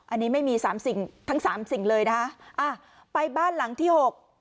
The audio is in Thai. อันนี้ไม่มีสามสิ่งทั้งสามสิ่งเลยนะคะอ่าไปบ้านหลังที่หก